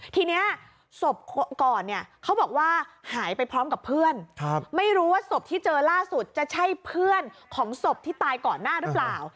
ทีนี้ศพก่อนเนี่ยเขาบอกว่าหายไปพร้อมกับเพื่อนไม่รู้ว่าศพที่เจอล่าสุดจะใช่เพื่อนของศพที่ตายก่อนหน้าหรือเปล่า